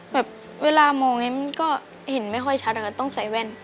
แบบเวลามองมันก็เห็นไม่ค่อยชัดต้องใส่แว่น